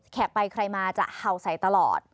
ไปใครมาจะเห่าใส่ตลอด